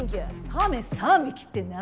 「亀３匹」って何？